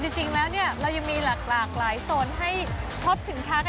จริงแล้วเรายังมีหลากหลายโซนให้ช้อมซื้อข้าค่ะ